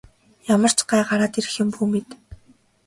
Ямар ч гай гараад ирэх юм бүү мэд.